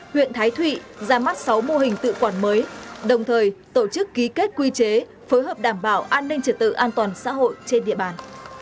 huyện thái thụy ra mắt sáu mô hình tự quản mới đồng thời tổ chức ký kết quy chế phối hợp đảm bảo an ninh trật tự an toàn xã hội trên địa bàn